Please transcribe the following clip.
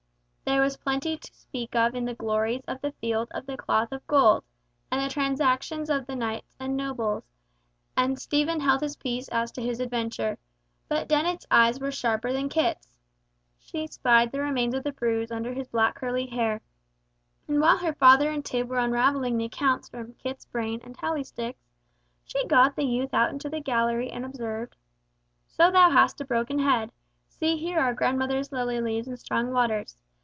There was plenty to speak of in the glories of the Field of the Cloth of Gold, and the transactions with the knights and nobles; and Stephen held his peace as to his adventure, but Dennet's eyes were sharper than Kit's. She spied the remains of the bruise under his black curly hair; and while her father and Tib were unravelling the accounts from Kit's brain and tally sticks, she got the youth out into the gallery, and observed, "So thou hast a broken head. See here are grandmother's lily leaves in strong waters.